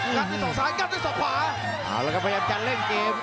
กัดด้วยสองซ้ายกัดด้วยสองขวาเอาแล้วก็พยายามกันเล่นเกม